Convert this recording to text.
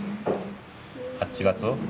８月？